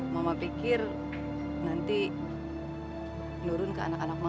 mama pikir nanti nurun ke anak anak mama